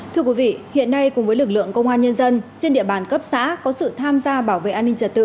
thưa quý vị hiện nay cùng với lực lượng công an nhân dân trên địa bàn cấp xã có sự tham gia bảo vệ an ninh trật tự